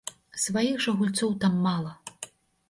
Сваіх жа гульцоў там мала.